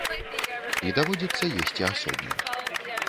І даводзіцца есці асобна.